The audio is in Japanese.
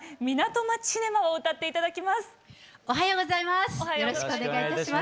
おはようございます。